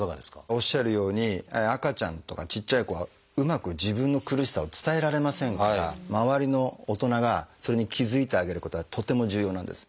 おっしゃるように赤ちゃんとかちっちゃい子はうまく自分の苦しさを伝えられませんから周りの大人がそれに気付いてあげることがとても重要なんです。